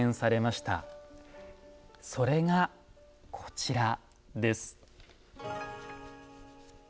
それがこちらです。